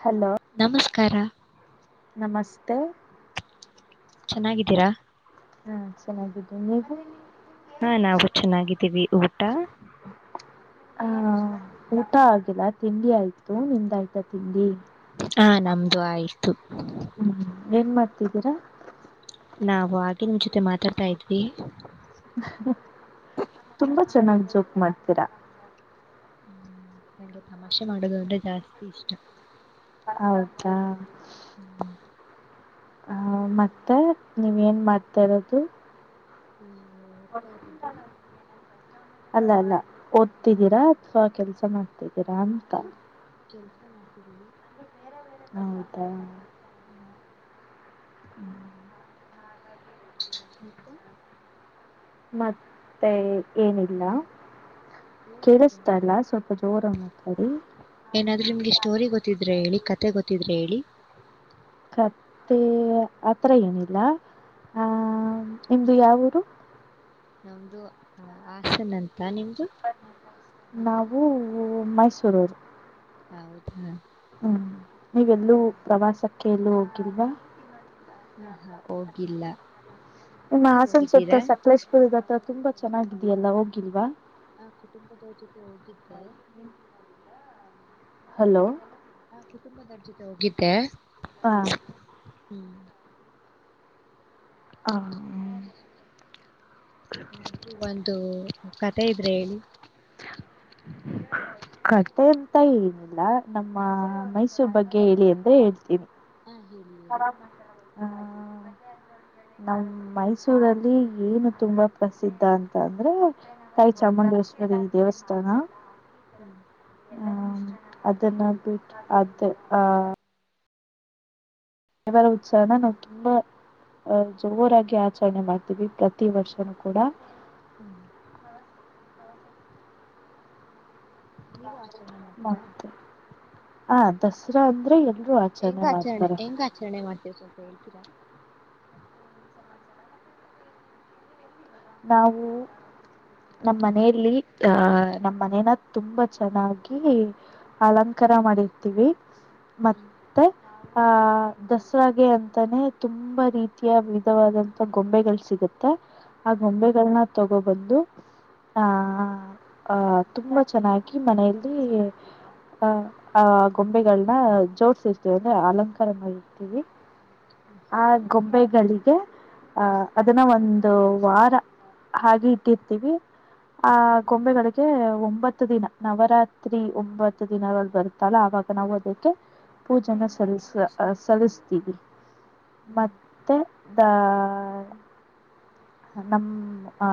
Hello [unintelligible] ಮಸ್ತೆ ಚೆನ್ನಾಗಿದ್ದೀರಾ ಹಾ ಚೆನ್ನಾಗಿದ್ದೀನಿ ನೀವು ಹಾ ನಾವು ಚೆನ್ನಾಗಿದ್ದೀವಿ ಊಟ ಹಹ ಊಟ ಆಗಿಲ್ಲ ತಿಂಡಿ ಆಯ್ತು ನಿಂದಾಯ್ತಾ ತಿಂಡಿ ಹಾ ನಮ್ದು ಆಯ್ತು ಹ್ಮ್ ಏನ್ ಮಾಡ್ತಿದ್ದೀರಾ ನಾವ್ ಹಾಗೆ ನಿಮ್ ಜೊತೆ ಮಾತಾಡ್ತಾ ಇದ್ವಿ ತುಂಬಾ ಚೆನ್ನಾಗ್ ಜೋಕ್ ಮಾಡ್ತೀರಾ. ಹ್ಮ್ ನಂಗೆ ತಮಾಷೆ ಮಾಡೋದು ಅಂದ್ರೆ ಜಾಸ್ತಿ ಇಷ್ಟ. ಹೌದಾ. ಹ್ಮ್ ಹ ಮತ್ತೆ ನೀವ ಏನ್ ಮಾಡ್ತಾ ಇರೋದು. ನಾವು ಓದ್ತಾ ಇರೋದು [unintelligible] ಅಲ್ಲ ಅಲ್ಲ ಓದ್ತಿದ್ದೀರಾ ಅಥವಾ ಕೆಲ್ಸ ಮಾಡ್ತಿದ್ದೀರಾ ಅಂತ. ಕೆಲ್ ಕೆಲ್ಸ ಮಾಡ್ತಿದ್ದೀವಿ. ಹೌದ. ಹ್ಮ್ [inaudible] ಮತ್ತೆ ಏನಿಲ್ಲ. ಕೆೇಳಿಸತಲ್ಲ ಹೇಳ್ಬೇಕೇನಾದ್ರು ಸ್ವಲ್ಪ ಜೋರಗಿ ಮಾತಡಿ. ಏನಾದ್ರು ನಿಮ್ಗೆ ಸ್ಟೋರಿ ಗೊತ್ತಿದ್ರೆ ಹೇಳಿ ಕತೆ ಗೊತ್ತಿದ್ರೆ ಹೇಳಿ. ಕತ್ತೆ ಅತ್ರ ಏನಿಲ್ಲ ಆ. ಹ ನಿಮ್ದು ಯಾಊರು. ನಮ್ದು ಆ ಹಸನ್. ನಾವು ಮೈಸೂರು ಅವ್ರು. ಹೌದ ಹ್ಮ್ ನೀವೆಲ್ಲೂ ಪ್ರವಾಸಕ್ಕೆ ಎಲ್ಲೂ ಹೋಗಿಲ್ವಾ. ಹಾ ಹಾ ಹೋಗಿಲ್ಲ. ನಿಮ್ಮ ನೀವ್ ಹಾಸನ ಹೋಗಿದ್ದೀರಾ ಸುತ್ತ ಸಕಲೇಶಪುರದ ಹತ್ರ ತುಂಬಾ ಚೆನ್ನಾಗಿದೆಯಲ್ಲ ಹೋಗಿಲ್ವಾ. ಆ ಕುಟುಂಬದವರ ಜೊತೆ ಹೋಗಿದ್ದೆ. [unintelligible] ಹಲೋ ಹಾ ಕುಟುಂಬದವ್ರ ಜೊತೆ ಹೋಗಿದ್ದೆ. ಹಾ ಹ್ಮ್ ಹ್ಮ ಹ್ಮ್ ನಾದ್ರೂ ಒಂದು ಕಥೆ ಇದ್ರೆ ಹೇಳಿ. [inaudible] ಕತೆ ಅಂತ ಏನಿಲ್ಲ ನಮ್ಮ ಮೈಸೂರ್ ಬಗ್ಗೆ ಹೇಳಿ ಅಂದ್ರೆ ಹೇಳ್ತೀನಿ. ಹಾ ಹೇಳಿ ಹೇಳಿ [unintelligible] ಹ್ಮ್ ನಮ್ಮ್ ಮೈಸೂರಲ್ಲಿ ಏನು ತುಂಬಾ ಪ್ರಸಿದ್ಧ ಅಂತ ಅಂದ್ರೆ. ತಾಯಿ ಹ್ಮ್ ಚಾಮುಂಡೇಶ್ವರಿ ದೇವಸ್ಥಾನ. ಹ್ಮ್ ಹ್ಮ ಅದನ್ನ ಬಿಟ್ಟು ಅದ ಆಹ ಉತ್ಸವನ ನಾವ್ ತುಂಬಾ. ಅಹ ಜೋರಾಗಿ ಆಚರಣೆ ಮಾಡ್ತೀವಿ ಪ್ರತಿ ವರ್ಷನುೂ ಕೂಡ. ಹ್ಮ್ ನೀವು ಆಚರಣೆ ಮಾಡ್ತೀರಾ ಮತ್ತೆ ಆ ದಸರಾ ಅಂದ್ರೆ ಎಲ್ಲ. ಹೆಂಗ್ ಆಚರಣೆ ಹೆಂಗ ಆಚರಣೆ ಮಾಡ್ತೀರ ಸ್ವಲ್ಪ ಹೇಳ್ತೀರಾ. ನಾವು. ನಮ್ಮ ಮನೇೆಯಲ್ಲಿ ಅ ನಮ್ಮ್ ಮನನ ತುಂಬಾ ಚೆನ್ನಾಗಿ ಅಲಂಕಾರ. [unintelligible] ಮಾಡಿರ್ತೀವಿ ಹ್ಮ್ ಮತ್ತೆ ಆಹ ದಸರಾಗೆ ಅಂತಾನೆ ತುಂಬಾ ರೀತಿಯ ವಿಧವಾದಂತ ಗೊಂಬೆಗಳು ಸಿಗುತ್ತೆ. ಆ ಹ್ಮ್ ಗೊಂಬೆಗಳನ್ನ ತಗೋಬಂದು. ಹ ಆಹ ತುಂಬಾ ಚೆನ್ನಾಗಿ ಮನೆಯಲ್ಲಿ. ಆಹ ಆ ಗೊಂಬೆಗಳನ್ನ ಜೋಡ್ಸರ್ತೇವಿ ಅಂದ್ರೆ ಅಲಂಕಾರ ಮಾಡಿರ್ತೀವಿ. ಆ ಆಮೇಲೆ ಗೊಂಬೆಗಳಿಗೆ ಆಹ ಅದನ್ನ ಒಂದು. ವಾರ ಹಾಗೆ ಇಟ್ಟಿರ್ತೀವಿ ಆ ಗೊಂಬೆಗಳಿಗೆ ಒಂಬತ್ತು. ತ್ತು ದಿನ ನವರಾತ್ರಿ ಒಂಬತ್ತು ದಿನಳ ಬರುತ್ತಲ್ಲ ಆವಾಗ ನಾವು ಅದಕ್ಕೆ ಪೂಜೆನ ಸಲ್ಲಸ ಸಲ್ಲಿಸ್ತೀವಿ ಹ್ಮ್ ಮತ್ತೆ. ದ ನಮ್ಮ ಆ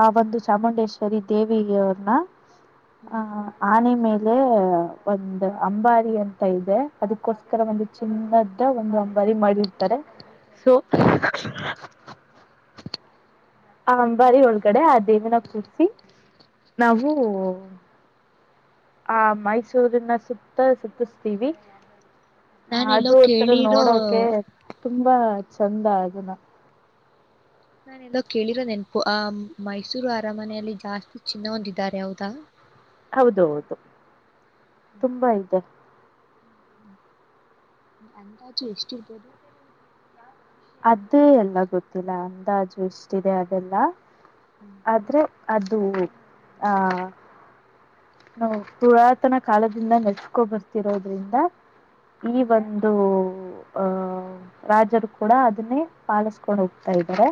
ಆ ಒಂದು ಚಾಮುಂಡೇಶ್ವರಿ ದೇವಿಗೆವ್ರನ್ನ. ಹ ಹ್ಮ್ ಆನೆ ಮೇಲೆ ಒಂದು ಅಂಬಾರಿ ಅಂತ ಇದೆ. ಅದಕ್ಕೋಸ್ಕರ ಒಂದು ಚಿನ್ನದ ಒಂದು ಅಂಬಾರಿ ಮಾಡಿರ್ತಾರೆ [inaudible] ಹಾ ಆ ಅಂಬಾರಿ ಒಳಗಡೆ ಆ ದೇವನ ಕೂರ್ಸಿ ನಾವು. ಆ ಮೈಸೂರಿನ ಸುತ್ತ ಸುತ್ತುಸ್ ನಾನೆಲ್ಲೋ ಅದು ಒರ ಕೇಳಿರೋ ನೋಡೋಕೆ ತುಂಬಾ ಚಂದ ಅದುನ್ನ ನಾನ ಎಲ್ಲೋ ಕೇಳಿರೋ ನೆನಪು ಆ ಮೈಸೂರು ಅರಮನೆಯಲ್ಲಿ ಜಾಸ್ತಿ ಚಿನ್ನ ಒಂದಾರೆ ಹೌದಾ ಹೌದು ಹೌದು ತುಂಬಾ ಐತೆ ಹ್ಮ ಎಂದಾಚು ಎಷ್ಟರ್ಬೋದು ಅದೇ ಎಲ್ಲ ಗೊತ್ತಿಲ್ಲ ಅಂದಾಜು ಇಷ್ಟಿದೆ ಅದೆಲ್ಲ ಆದ್ರೆ ಅದು ಹ ನಾ ಪುರಾತನ ಕಾಲದಿಂದ ನಚ್ಕೊ ಬರ್ತಿರೋದ್ರಿಂದ ಈ ಒಂದು ಆಹ್ ರಾಜರು ಕೂಡ ಅದನ್ನೇ ಪಾಲುಸ್ಕೊಂಡ್ ಹೋಗ್ತಾ ಇದ್ದಾರೆ.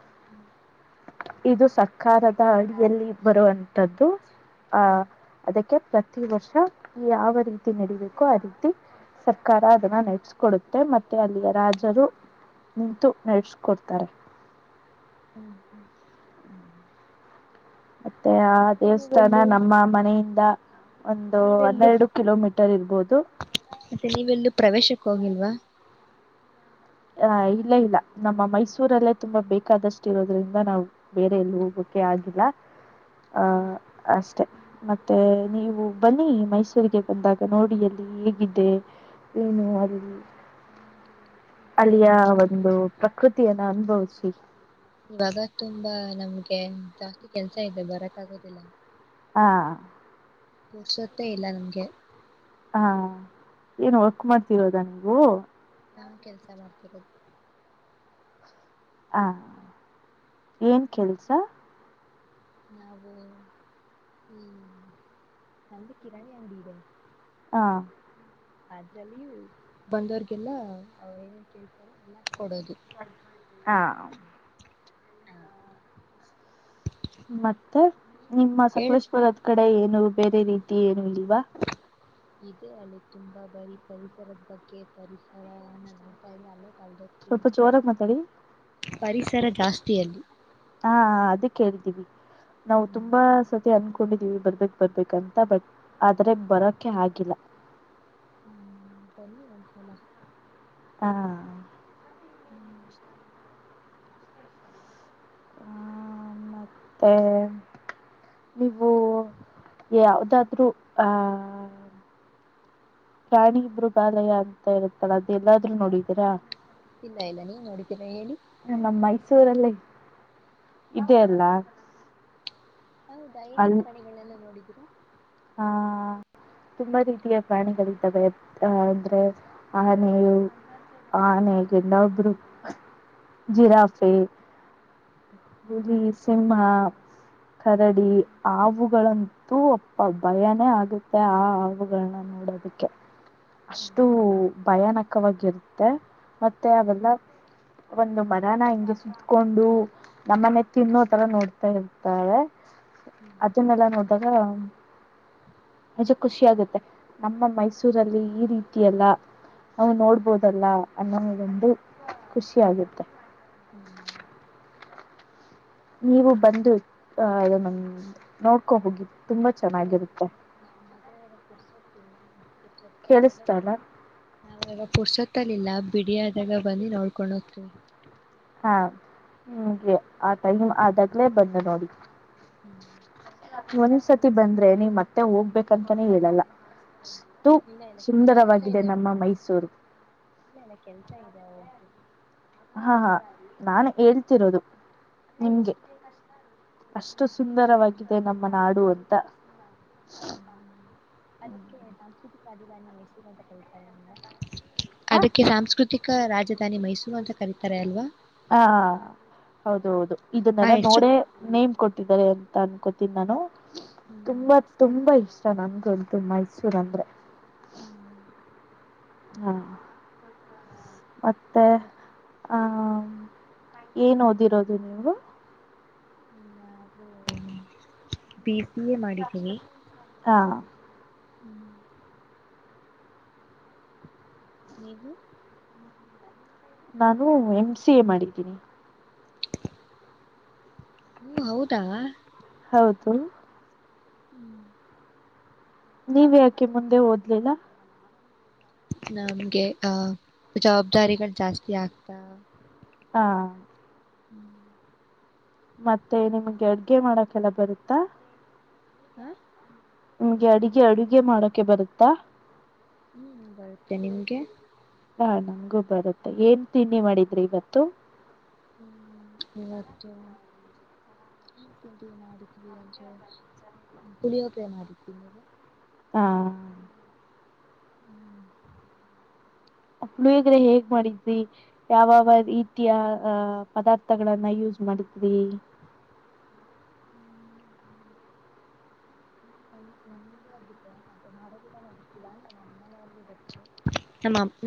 [unintelligible] ಇದು ಸಕಾರದ ಅಡಿಯಲ್ಲಿ ಬರುವಂಂತದ್ದು ಆಹ ಅದಕ್ಕೆ. ಪ್ರತಿ ವರ್ಷ ಯಾವ ರೀತಿ ನಡೀಬೇಕೋ ಆ ರೀತಿ ಸರ್ಕಾರ ಅದನ್ನ ನೆಟ್ಸ್ಕೊಡುತ್ತೆ ಮತ್ತೆ ಅಲ್ಲಿಯ ರಾಜರು ನಿಂತು ನಡೆಸ್ಕೊಡ್ತಾರೆ. ಹ್ಮ್ ಹ್ಮ ಮತ್ತೆ ಆ ಮತ್ತೆ ದೇವಸ್ಥಾನ ನಮ್ಮ ಮನೆಯಿಂದ ಒಂದು ನೀವೆಲ್ಲು ಹನ್ನೆರಡು ಕಿಲೋಮೀಟರ್ ಇರ್ಬೋದು ಮತ್ತೆ ನೀವೆಲ್ಲೂ ಪ್ರವೇಶಕ್ಕೆ ಹೋಗಿಲ್ವಾ. ಆ ಇಲ್ಲ ಇಲ್ಲ ನಮ್ಮ ಮೈಸೂರಲ್ಲೇ ತುಂಬಾ ಬೇಕಾದಷ್ಟು ಇರೋದ್ರಿಂದ ನಾವು ಬೇರೆ ಎಲ್ಲಿ ಹೋಗ್ಬೇಕ ಕೆ ಆಗಿಲ್ಲ ಅ ಅಷ್ಟೆ ಮತ್ತೆ ನೀವು ಬನ್ನಿ ಮೈಸೂರಿಗೆ ಬಂದಾಗ ನೋಡಿ ಎಲ್ಲಿ. ಗಿದ್ದೆ ಇನ್ನೂ [unintelligible] ಅಂದ್ರೆ ಅಲ್ಲಿಯ ಇವಾಗ ಒಂದು ಪ್ರಕೃತಿಯನ್ನ ಅನುಭವಿಸಿ. ಇವಾಗ ತುಂಬಾ ನಮ್ಗೆ ಜಾಸ್ತಿ ಕೆಲ್ಸ ಇದೆ ಬರಕ್ ಆಗೋದಿಲ್ಲ. ಹಾ ಪೋರ್ಸತ್ತೇ ಇಲ್ಲ ನಮ್ಗೆ ಹಾ ಏನ್ ವರ್ಕ್ ಮಾಡ್ತಿರೋದಾ ನೀವು. ಹಾ ಕೆಲ್ಸ ಮಾಡ್ತಿರೋದು ಹಾ ಏನ್ ಕೆಲ್ಸ ನಾವು ಹ್ಮ ಕಿರಾಣಿ ಅಂಗ್ಡಿ ಇದೆ ಹಾ ಅದ್ರಲ್ಲಿ ಬಂದವ್ರಗೆಲ್ಲ ಅವ ಏನೇನ್ ಕೇಳ್ತಾರ ಎಲ್ಲ ಕೊಡದು ಹಾ ಹ ಮತ್ತೆ ನಿಮ್ಮ ಹೇಳ್ ಸಕಲೇಶ್ಪುರದ್ ಕಡೆ ಏನು ವು ಬೇರೆ ರೀತಿ ಏನು ಇಲ್ವಾ ಇದೆ ಅಲ್ಲಿ ತುಂಬಾ ಬರೀ ಪರಿಸರದ ಬಗ್ಗೆ ಪರಿಸರ ಅನ್ನೋದು ನೋಡ್ತಾ ಇದೆ ಅಲ್ಲ ಸ್ವಲ್ಪ ಜೋರಾಗಿ ಮಾತಾಡಿ ಪರಿಸರ ಜಾಸ್ತಿಯಲ್ಲಿ ಹಾ ಅದಕ್ಕೆ ಹೇಳ್ತೀವಿ ನಾವು ಹ್ಮ್ ತುಂಬಾ ಸತಿ ಅನ್ಕ ಕೊಂಡಿದೀವಿ ಬರ್ಬೇಕಕ್ ಬರ್ಬೇಕ ಅಂತ ಬಟ್ ಆದ್ರೆ ಬರೋಕೆ ಆಗಿಲ್ಲ. ಹ್ಮ್ ಬನ್ನಿ ಒಂಸ್ಸಲ ಹಾ [inaudible] ಹ್ಮ ನೀವು ಯಾವ್ದಾದ್ರರು ಆಹ ಪ್ರಾಣಿ ಮೃಗಲಾಯ ಅಂತ ಇರುತ್ತಲ್ಲ ಅದು ಎಲ್ಲಾದ್ರೂ ನೋಡಿದೀರಾ ಇಲ್ಲ ಇಲ್ಲ ನೀವ ನೋಡಿದ್ದೀರಾ ಹೇಳಿ ಇದೇ ಅಲ್ಲ ಹೌದಾ ಏನೇನ್ ಕಣಗಳನ್ನೆಲ್ಲ ನೋಡಿದೀರಾ ಹಾ ತುಂಬಾ ರೀತಿಯ ಪ್ರಾಣಿಗಳಿದ್ದಾವ ಅಂದ್ರೆ ಆನೆಯು ಆನೆ ಗೆಂಡಾಮೃಗ ಹ್ಮ್ ಜಿರಾಫೆ ಹ್ಮ್ ಹುಲಿ ಸಿಂಹ ಕರಡಿ ಹಾವುಗಳಂತೂ ಅ ಭಯನೇ ಆಗುತ್ತೆ ಆ ಹಾವುಗಳನ್ನ ನೋಡೋದಕ್ಕೆ. ಹ್ಮ್ ಅಷ್ಟು ಭಯಾನಕವಾಗಿರುತ್ತೆ ಮತ್ತೆ ಹ್ಮ್ ಅವೆಲ್ಲ ಒಂದು ಮರಾನ ಹಿಂಗೆ ಸುತ್ಕೊಂಡು ನಮ್ಮನೆ ತಿನ್ನೋ ತರ ನೋಡ್ತಾ ಇರ್ತಾವೆ ಹ್ಮ್ ಅದನ್ನೆಲ್ಲ ನೋಡದಾಗ ನಿಜ ಖುಷಿ ಆಗುತ್ತೆ ನಮ್ಮ ಮೈಸೂರಲ್ಲಿ ಈ ರೀತಿಯೆಲ್ಲ ಅವು ನೋಡ್ಬೋದಲ್ಲ ಅನ್ನೋದು ಒಂದು ಖುಷಿ ಆಗತ್ತೆ [inaudible] ನೀವು ಬಂದು ನೋಡ್ಕೊ ಹೋಗಿ ತುಂಬಾ ಚೆನ್ನಾಗಿರುತ್ತೆ [inaudible] ಕೇಳಿಸ್ತಾ ಇಲ್ಲ ನಾವ ಯಾಗ ಪುರ್ಸತ್ತಲಿಲ್ಲ ಪಿಡಿಯಾದಾಗ ಬಂದ್ ನೋಡ್ಕೊಂಡ ಹೋಗ್ತೀವಿ ಹಾ ನಿಂಗೆ ಆ ಟೈಮ್ ಆದಾಗ್ಲೇ ಬಂದು ನೋಡಿ [inaudible] ಒಂದ್ಸತಿ ಬಂದ್ರೆ ನೀವ ಮತ್ತೆ ಹೋಗ್ಬೇಕಂತಾನೇ ಹೇಳಲ್ಲ ಇಲ್ಲ ಇಲ್ಲ ಕೆಲ್ಸ ಸುಂದರವಾಗಿದೆ ಇದೆ ಅಮ್ಮ ನಮ್ಮ ಮೈಸೂರು ಇಲ್ಲ ಇಲ್ಲ ಕೆಲ್ಸ ಇದೆ ಹೋಗು ಹಾ ಹಾ ನಾನ ಹೇಳ್ತಿರೋದು ನಿಮ್ಗೆ ಅಷ್ಟು ಸುಂದರವಾಗಿದೆ ನಮ್ಮ ನಾಡು ಅಂತ. ಹ್ಮ್ ಅದಕ್ಕೆ ಸಾಂಸ್ಕೃತಿಕ ರಾಜಧಾನಿ ಮೈಸೂರು ಅಂತ ಕರಿತಾರೆ ಅಲ್ವಾ ಹಾ ಅದಕ್ಕೆ ಸಾಂಸ್ಕೃತಿಕ ರಾಜಧಾನಿ ಮೈಸೂರು ಅಂತ ಕರಿತಾರೆ ಅಲ್ವಾ ಹಾ ಹೌದ ಹೌದು ಆ ಇದನ್ನೆಲ್ಲ ಹೆಸರು ನೋಡೇ ನೇಮ್ ಕೊಟ್ಟಿದ್ದಾರೆ ಅ ಅನ್ಕೋತೀನಿ ನಾನು ಹ್ಮ್ ತುಂಬಾ ತುಂಬಾ ಇಷ್ಟ ನನ್ಗಂತು ಮೈಸೂರ್ ಅಂದ್ರೆ ಹ್ಮ್ ಹಾ ಹ್ಮ ಹ ಏನು ಓದಿರೋದು ನೀವು ಬಿ ಸಿ ಎ ಮಾಡಿದ್ದೀನಿ ಹಾ ಹ್ಮ್ [inaudible] ನೀವು ನಾನು ಎಮ್ ಸಿ ಎ ಮಾಡಿದ್ದೀನಿ ಹ್ಮ ಹೌದಾ ಹೌದು ಹ್ಮ್ ನೀವ ಯಾಕೆ ಮುಂದೆ ಓದ್ಲಿಲ್ಲ. ನಮ್ಗೆ ಆಹ ಜವಾಬ್ದಾರಿಗಳು ಜಾಸ್ತಿ ಆಗ್ತಾ ಹಾ ಹ್ಮ್ ಮತ್ತೆ ನಿಮ್ಗೆ ಅಡ್ಗೆ ಮಾಡಕ್ಕೆಲ್ಲ ಬರುತ್ತಾ. ಹೂ ನಿಮ್ಗೆ ಅಡುಗೆ ಅಡುಗೆ ಮಾಡೋಕೆ ಬರುತ್ತಾ ಹೂ ಬರುತ್ತೆ ನಿಮ್ಗೆ ಹಾ ನಂಗು ಬರುತ್ತೆ ಏನ್ ತಿಂಡಿ ಮಾಡಿದ್ರಿ ಇವತ್ತು ಹೂ ಇವತ್ತು ಹ ತಿಂಡ ಮಾಡಿದ್ವಿ ಅಂದ್ರೆ ಪುಳಿಯೋಗ್ರಿ ಮಾಡಿದ್ವಿ ನೀವು ಹಾ ಹ ಪುಳಿದ್ರೆ ಹೇಗ್ ಮಾಡಿದ್ವಿ ಯಾವಾವ ರೀತಿಯ ಅಹ ಪದಾರ್ಥಗಳನ್ನ ಯೂಸ್ ಮಾಡ್ತೀತೀವಿ ನ ನಮ ಅದುಕ್ಕ ಅದು ಮಗೀಡ ನಡಚಿಲ್ಲಾ ನಮ್ಮಲ್ಲಡ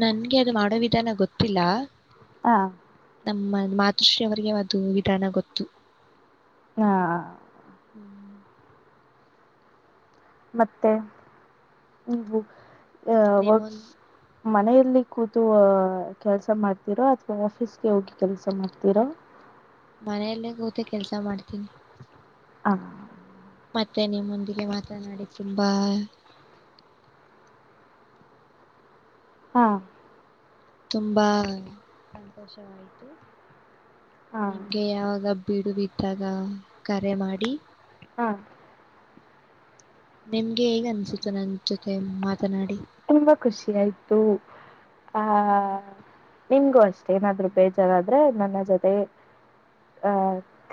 ನನ್ಗೆ ಅದು ಮಾಡೋ ವಿಧಾನ ಗೊತ್ತಿಲ್ಲ ಹಾ ನಮ್ಮ ಮಾತುಶ್ರೀ ಅವರಿಗೆ ಅದು ವಿಧಾನ ಗೊತ್ತು ಹಾ ಹ್ಮ್ ಮತ್ತೆ ನೀವು ಆ ನಿಮ್ಮೊಂದ ವರ್ಕ್ಸ್ ಮನೆಯಲ್ಲಿ ಕೂತು ಕೆಲ್ಸ ಮಾಡ್ತಿರೋ ಅಥವಾ ಆಫೀಸ್ಗೆ ಹೋಗಿ ಕೆಲಸ ಮಾಡ್ತಿರೋ ಮನೆಯಲ್ಲೇ ಕೂತು ಕೆಲ್ಸ ಮಾಡ್ತೀನಿ ಹ ಮತ್ತೆ ನಿಮ್ಮೊಂದಿಗೆ ಮಾತನಾಡಿ ತುಂಬಾ ಹಾ ತುಂಬಾ ಸಂತೋಷವಾಯತು ಹಾ ನಿಮ್ಗೆ ಯಾವಾಗ ಬೀಡು ಬಿದ್ದಾಗ ಕರೆ ಮಾಡಿ ಹಾ ನಿಮ್ಗೆ ಹೇಗ್ ಅನ್ಸುತ್ತ ನನ್ ಜೊತೆ ಮ ತುಂಬಾ ಖುಷಿ ಆಯ್ತು ಹ ಹ್ಮ್ ಹ ನಿಮ್ಗೂ ಅಷ್ಟೇ ಏನಾದ್ರು ಬೇಜಾರಾದ್ರೆ ನನ್ನ ಜೊತೆ ಆ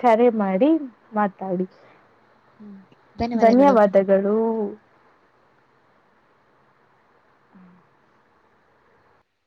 ಕರೆ ಮಾಡಿ ಮಾತಾಡಿ ಧನ್ಯವಾದಗಳು ಹೂ